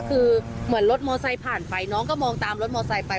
คือเหมือนรถมอไซค์ผ่านไปน้องก็มองตามรถมอไซค์ไป